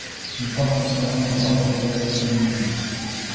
أَم خَلَقُوا السَّماواتِ وَالأَرضَ بَل لا يوقِنونَ